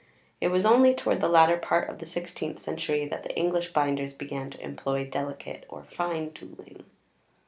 It was only towards the latter part of the sixteenth century that the English binders began to employ delicate or fine tooling.